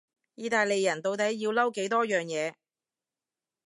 意大利人到底要嬲幾多樣嘢？